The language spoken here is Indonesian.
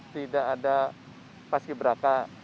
tidak ada paski beraka